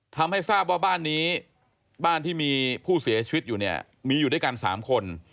ทำให้ทราบว่าบ้านนี้บ้านที่มีผู้เสียชีวิตอยู่เนี่ยมีอยู่ด้วยกัน๓คน